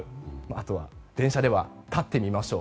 あとは電車では立ってみましょう。